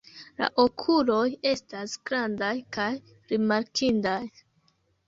La okuloj estas grandaj kaj rimarkindaj.